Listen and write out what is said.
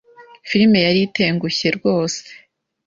Filime yari itengushye rwose.